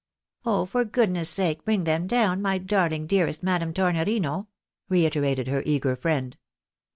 " Oh, for goodness' sake bring them down, my darhng dearest Madame Tornorino !" reiterated her eager friend.